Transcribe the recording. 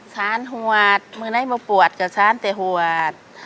ฉันหวัดมึงได้มาปวดก็ฉันแต่หวัด